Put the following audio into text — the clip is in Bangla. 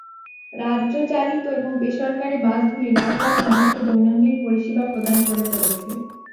রাজ্য-চালিত এবং বেসরকারি বাসগুলি লাখ-লাখ মানুষকে দৈনন্দিন পরিষেবা প্রদান করে চলেছে।